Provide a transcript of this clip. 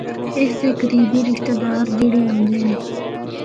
اس دے قریبی رشتہ دار جِڑے ہوندے ہن۔